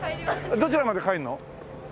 どちらまで帰るの？